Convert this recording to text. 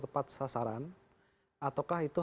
tepat sasaran ataukah itu